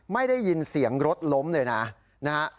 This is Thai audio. ไม่ได้ยินเสียงรถล้มเลยนะนะฮะ